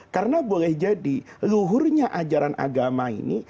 karena boleh jadi luhurnya ajaran agama ini